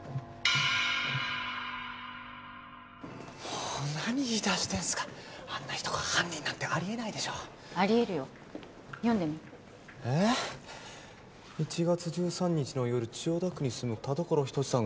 もう何言い出してんすかあんな人が犯人なんてありえないでしょありえるよ読んでみえ「１月１３日の夜千代田区に住む」「田所仁志さん